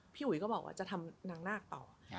อุ๋ยก็บอกว่าจะทำนางนาคต่อ